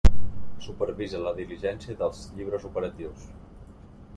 Supervisa la diligència dels llibres operatius.